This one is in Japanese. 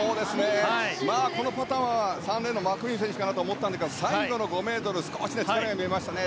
このパターンは３レーンのマクニール選手かなと思ったんだけど、最後の５ｍで少し出られましたね。